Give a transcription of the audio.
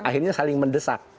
akhirnya saling mendesak